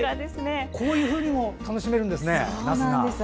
こういうふうにも楽しめるんですね、なすが。